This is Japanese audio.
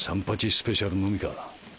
スペシャルのみか。